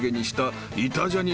『イタ×ジャニ』